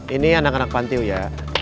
ini anak anak pantiu ya